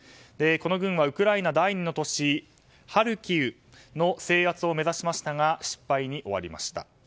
この軍はウクライナの第２の都市ハルキウの制圧を目指しましたが失敗に終わりました。